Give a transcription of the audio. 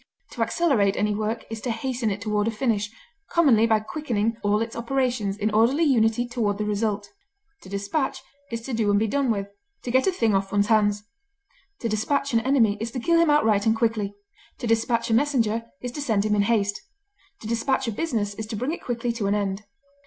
To accelerate any work is to hasten it toward a finish, commonly by quickening all its operations in orderly unity toward the result. To despatch is to do and be done with, to get a thing off one's hands. To despatch an enemy is to kill him outright and quickly; to despatch a messenger is to send him in haste; to despatch a business is to bring it quickly to an end.